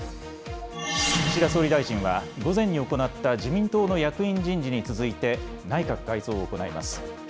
岸田総理大臣は午前に行った自民党の役員人事に続いて内閣改造を行います。